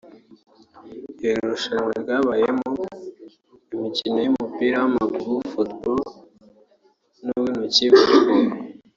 Iri rushanwa ryabayemo imikino y’umupira w’amaguru (football) n’uw’intoki (volleyball)